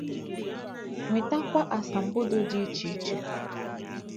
nwetakwa asambodo dị iche iche